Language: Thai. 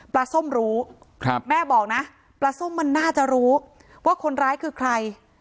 ส้มรู้แม่บอกนะปลาส้มมันน่าจะรู้ว่าคนร้ายคือใคร